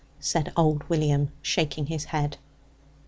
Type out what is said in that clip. said old William, shaking his head.